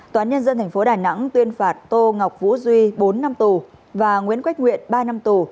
tòa án nhân dân tp đà nẵng tuyên phạt tô ngọc vũ duy bốn năm tù và nguyễn quách nguyện ba năm tù